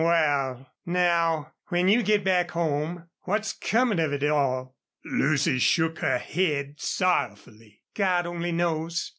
Wal, now, when you git back home what's comin' of it all?" Lucy shook her head sorrowfully. "God only knows.